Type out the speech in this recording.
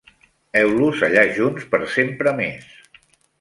Heus-los allà, junts, per sempre més!